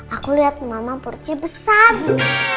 aku lihat mama perutnya besar gitu